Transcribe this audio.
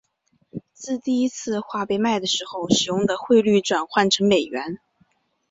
自第一次画被卖的时候使用的汇率转换成美元。